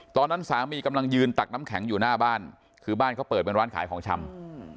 ตอนนั้นสามีกำลังยืนตักน้ำแข็งอยู่หน้าบ้านคือบ้านเขาเปิดเป็นร้านขายของชำ